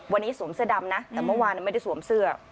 วันนี้สวมเสื้อดำนะแต่เมื่อวานไม่ได้สวมเสื้อ